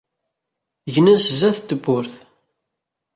Gnen sdat tewwurt.